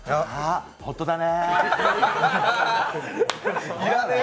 本当だねえ。